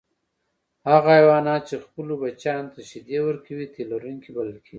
هغه حیوانات چې خپلو بچیانو ته شیدې ورکوي تی لرونکي بلل کیږي